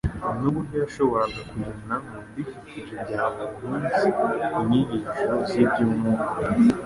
n'uburyo yashoboraga kuyana mu bidukikije bya buri munsi inyigisho z'iby'umwuka.